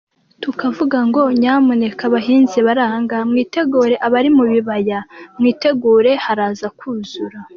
Tukavuga ngo nyamuneka bahinzi bari ahangaha mwitegure, abari mu bibaya mwitegure haraza kuzura.